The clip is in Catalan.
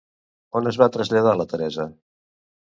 On es va traslladar la Teresa?